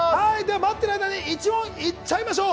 待っている間に１問いっちゃいましょう。